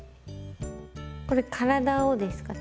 これ体をですか。